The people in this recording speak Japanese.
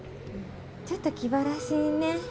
ちょっと気晴らしにね。